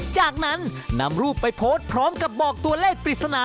จากนั้นนำรูปไปโพสต์พร้อมกับบอกตัวเลขปริศนา